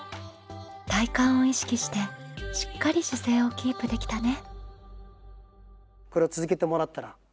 体幹を意識してしっかり姿勢をキープできたね。